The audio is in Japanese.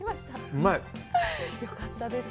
うまい！よかったです。